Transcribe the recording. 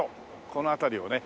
この辺りをね